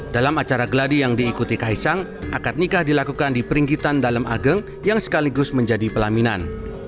dalam acara geladi yang diikuti kaisang akad nikah dilakukan di peringgitan dalem ageng yang sekaligus menjadi pelaminan